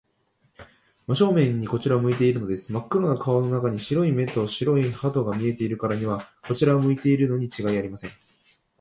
真正面にこちらを向いているのです。まっ黒な顔の中に、白い目と白い歯とが見えるからには、こちらを向いているのにちがいありません。